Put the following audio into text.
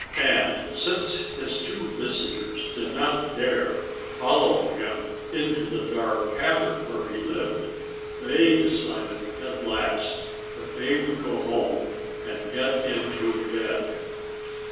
And since his two visitors did not dare follow him into the dark cavern where he lived, they decided at last that they would go home—and get into bed.